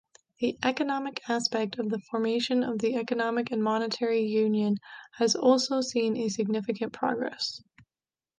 The economic aspect of the formation of the economic and monetary union has also seen a significant progress.